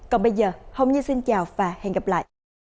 còn bây giờ hôm nay xin chào và hẹn gặp lại